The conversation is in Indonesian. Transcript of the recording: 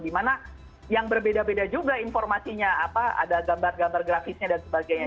dimana yang berbeda beda juga informasinya apa ada gambar gambar grafisnya dan sebagainya